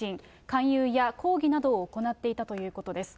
勧誘や講義などを行っていたということです。